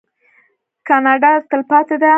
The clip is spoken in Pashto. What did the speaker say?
کاناډا تلپاتې ده.